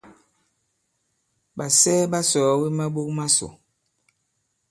Ɓàsɛɛ ɓa sɔ̀ɔ̀we maɓok masò.